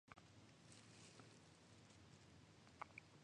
フィニステール県の県都はカンペールである